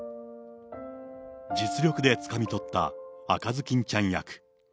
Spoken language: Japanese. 実力でつかみ取った赤ずきんちゃん役。